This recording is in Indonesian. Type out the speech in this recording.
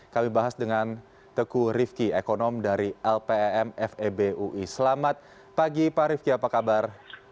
kami bahas dengan teguh rifki ekonom dari lpem febui selamat pagi pak rifki apa kabar